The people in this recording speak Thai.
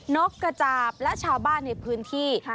นกกระจาบและชาวบ้านในพื้นที่